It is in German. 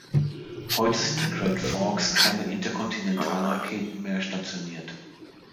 Heute sind in Grand Forks keine Interkontinentalraketen mehr stationiert.